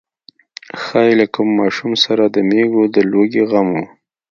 ښايي له ماشوم سره د مېږو د لوږې غم و.